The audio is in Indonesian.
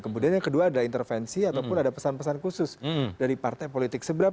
kemudian yang kedua ada intervensi ataupun ada pesan pesan khusus dari partai politik